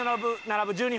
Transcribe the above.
並ぶ。